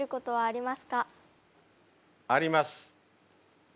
あります。